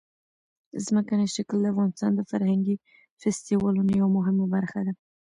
ځمکنی شکل د افغانستان د فرهنګي فستیوالونو یوه مهمه برخه ده.